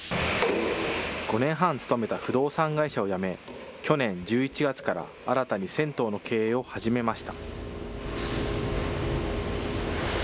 ５年半勤めた不動産会社を辞め、去年１１月から新たに銭湯の経営を始めました。